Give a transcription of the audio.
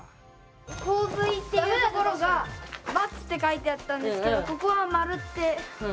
「洪水」っていうところが「×」って書いてあったんですけどここは「○」って書いてある。